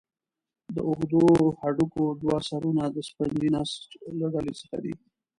د اوږدو هډوکو دوه سرونه د سفنجي نسج له ډلې څخه دي.